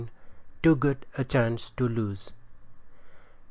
TOO GOOD A CHANCE TO LOSE.